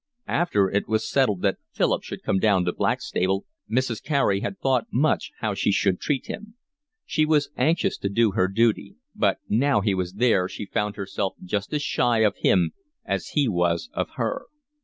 After it was settled that Philip should come down to Blackstable, Mrs. Carey had thought much how she should treat him; she was anxious to do her duty; but now he was there she found herself just as shy of him as he was of her.